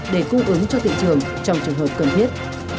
để cung ứng cho thị trường trong trường hợp cần thiết